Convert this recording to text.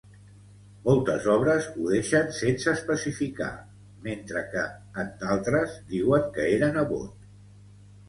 Moltes obres ho deixen sense especificar, mentre que en d'altres diuen que era nebot.